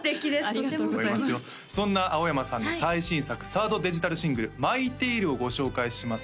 そんな青山さんの最新作３ｒｄデジタルシングル「ＭｙＴａｌｅ」をご紹介します